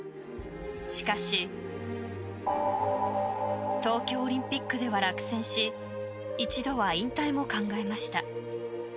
［しかし東京オリンピックでは落選し一度は引退も考えました］